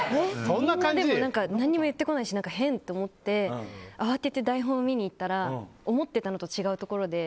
みんな何も言ってこないし変って思って慌てて台本を見に行ったら思っていたのと違うところで。